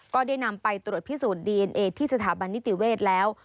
ก็ได้นำไปตรวจพิสูจน์ดีเอ็นเอที่สถาบันนิติเวศแล้ว